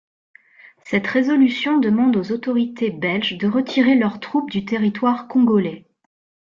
Cette résolution demande aux autorités belges de retirer leurs troupes du territoire congolais.